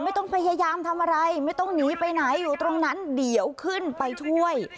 ไม่ต้องพยายามทำอะไรไม่ต้องหนีไปไหนอยู่ตรงนั้นเดี๋ยวขึ้นไปช่วย